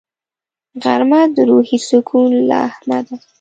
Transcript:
غرمه د روحي سکون لمحه ده